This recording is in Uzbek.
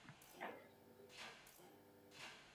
Qozog‘istonning yosh turistlari yurtimizda